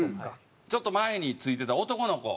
ちょっと前についてた男の子。